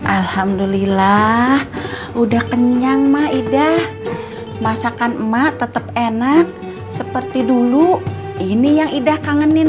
alhamdulillah udah kenyang maidah masakan emak tetep enak seperti dulu ini yang idah kangenin